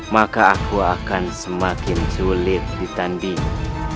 maka aku akan semakin sulit ditanding